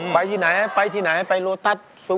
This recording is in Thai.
ปฏิเสธลำบากนะ